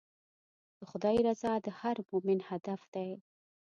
د خدای رضا د هر مؤمن هدف دی.